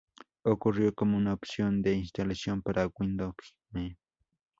Ocurrió como una opción de instalación para Windows Me.